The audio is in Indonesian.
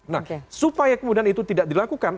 nah supaya kemudian itu tidak dilakukan